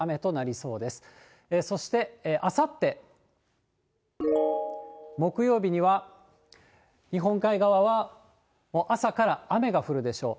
そしてあさって木曜日には、日本海側は朝から雨が降るでしょう。